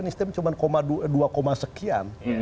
nisteb cuma dua sekian